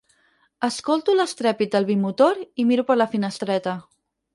Escolto l'estrèpit del bimotor i miro per la finestreta.